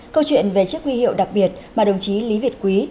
câu chuyện về chiếc huy hiệu đặc biệt mà đồng chí lý việt quý